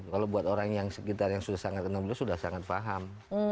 kalau buat orang yang sekitar yang sudah sangat enam belas sudah sangat paham